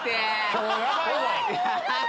今日ヤバいわ！